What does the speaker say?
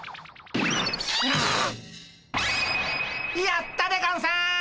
やったでゴンス！